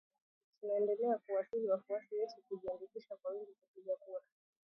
Tunaendelea kuwasihi wafuasi wetu kujiandikisha kwa wingi kupiga kura.